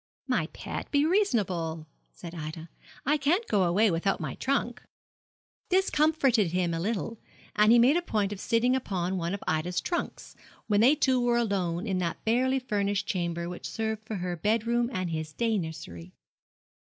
'My pet, be reasonable,' said Ida; 'I can't go away without my trunk.' This comforted him a little, and he made a point of sitting upon one of Ida's trunks, when they two were alone in that barely furnished chamber which served for her bed room and his day nursery.